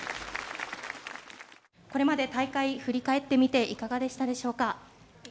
これまで大会振り返ってみていかがでしたでしょうか？